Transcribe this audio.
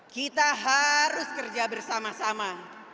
kita harus kerja bersama sama